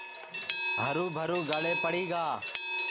ہرُو بھرو گݪے پڑی گا